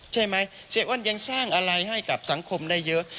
เสียอ้วนยังสร้างอะไรให้กับสังคมได้เยอะ